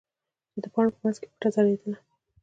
چې د پاڼو په منځ کې پټه ځړېدله.